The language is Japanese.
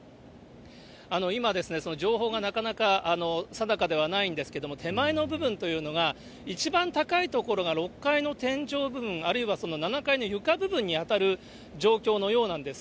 今ですね、その情報がなかなか定かではないんですけれども、手前の部分というのが、一番高い所が６階の天井部分、あるいは７階の床部分に当たる状況のようなんです。